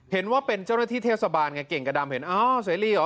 เห็นว่าเป็นเจ้าหน้าที่เทศบาลไงเก่งกระดำเห็นอ้าวเสรีเหรอ